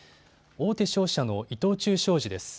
大手商社の伊藤忠商事です。